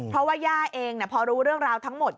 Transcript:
เพราะว่าย่าเองพอรู้เรื่องราวทั้งหมด